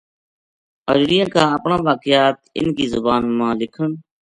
اجڑیاں کا اپنا واقعات اِنھ کی زبان ما لکھن